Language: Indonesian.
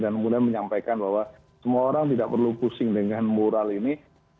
dan kemudian menyampaikan bahwa semua orang tidak perlu pusing dengan mural ini